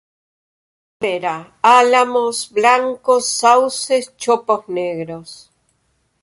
Bosques de ribera: álamos blancos, sauces, chopos negros.